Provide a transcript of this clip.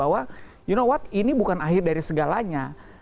you know what ini bukan akhir dari segalanya